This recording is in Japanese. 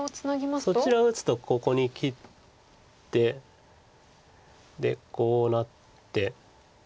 そちらを打つとここに切ってこうなって。